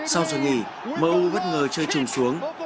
sau giờ nghỉ mourinho bất ngờ chơi trùng xuống